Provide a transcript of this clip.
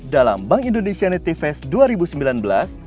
dalam bank indonesianity fest dua ribu sembilan belas